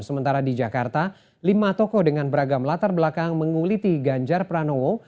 sementara di jakarta lima toko dengan beragam latar belakang menguliti ganjar pranowo